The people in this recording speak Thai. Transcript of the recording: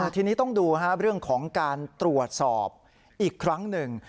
ทีนี้ต้องดูเรื่องของการตรวจสอบอีกครั้งหนึ่ง